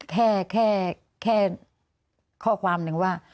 แค่แค่ข้อความหนึ่งว่า